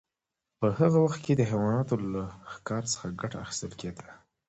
په هغه وخت کې د حیواناتو له ښکار څخه ګټه اخیستل کیده.